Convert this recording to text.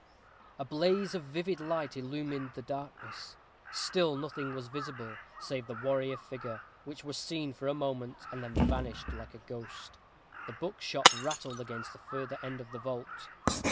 A blaze of vivid light illumined the darkness. Still nothing was visible, save the warrior figure, which was seen for a moment, and then vanished like a ghost. The buck shot rattled against the further end of the vault.